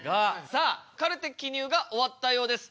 さあカルテ記入が終わったようです。